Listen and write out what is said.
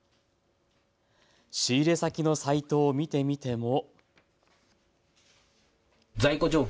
仕入れ先のサイトを見てみても。